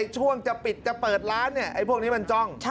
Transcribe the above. ช่วงจะปิดจะเปิดร้านพวกนี้มันจ้อง